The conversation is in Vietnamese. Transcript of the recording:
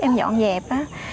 em dọn dẹp